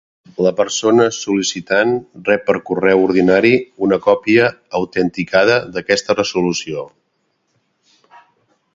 La persona sol·licitant rep per correu ordinari una còpia autenticada d'aquesta resolució.